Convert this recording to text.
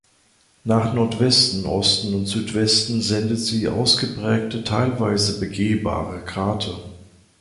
Nach Nordwesten, Osten und Südwesten sendet sie ausgeprägte, teilweise begehbare Grate.